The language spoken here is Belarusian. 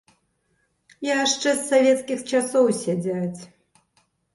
Яшчэ з савецкіх часоў сядзяць.